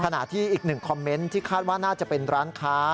ขณะที่อีกหนึ่งคอมเมนต์ที่คาดว่าน่าจะเป็นร้านค้า